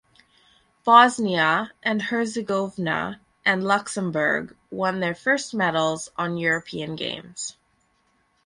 Bosnia and Herzegovina and Luxembourg won their first medals on European Games.